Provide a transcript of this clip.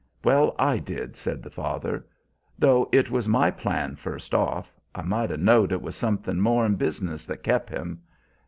"Well, I did," said the father. "Though it was my plan first off. I might 'a' know'd it was something more 'n business that kep' him.